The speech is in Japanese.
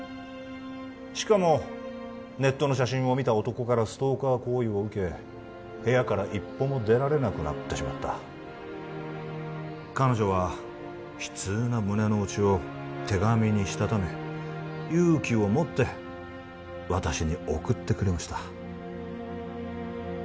しかもネットの写真を見た男からストーカー行為を受け部屋から一歩も出られなくなってしまった彼女は悲痛な胸の内を手紙にしたため勇気をもって私に送ってくれました